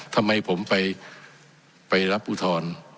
ทำไมผมไปรับอุทธรณ์